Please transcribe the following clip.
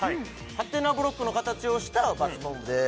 ハテナブロックの形をしたバスボムです